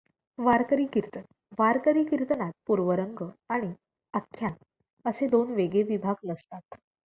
वारकरी कीर्तन वारकरी कीर्तनात पूर्वरंग आणि आख्यान असे दोन वेगळे विभाग नसतात.